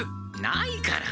ないから！